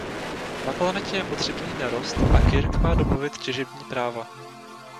Na planetě je potřebný nerost a Kirk má domluvit těžební práva.